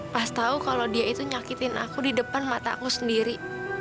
pas tau kalau dia itu nyakitin aku di depan mata aku sendiri